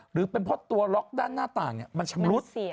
หรือเป็นเพราะตัวล็อกด้านหน้าต่างมันชำรุด